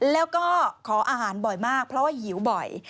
แล้วก็ขออาหารบ่อยมากเพราะว่าหิวบ่อย